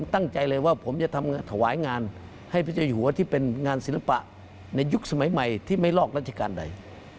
ตั้งใจเลยว่าผมจะทำถวายงานให้พระเจ้าอยู่หัวที่เป็นงานศิลปะในยุคสมัยใหม่ที่ไม่ลอกราชการใด